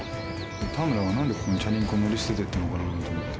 「タムラが何でここにチャリンコ乗り捨ててったのかなと思って」